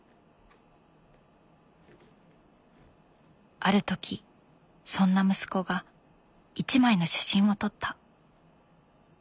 ある時そんな息子が１枚の写真を撮った。